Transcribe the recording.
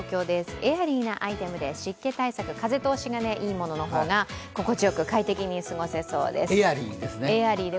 エアリーなアイテムで湿気対策、風通しがいいものの方が、心地よく快適に過ごせそうです。